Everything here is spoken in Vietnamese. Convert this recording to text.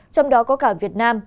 trong đó có cả việt nam